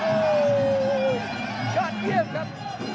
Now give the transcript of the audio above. โอ้โหยอดเยี่ยมครับ